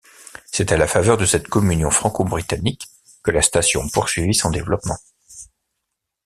C'est à la faveur de cette communion franco-britannique que la station poursuivit son développement.